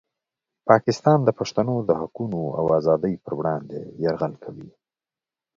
پاکستان د پښتنو د حقونو او ازادۍ په وړاندې یرغل کوي.